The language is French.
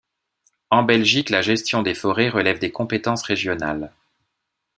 En Belgique, la gestion des forêts relève des compétences régionales.